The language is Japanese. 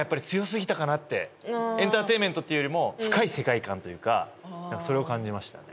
エンターテインメントというよりも深い世界観というかそれを感じましたね。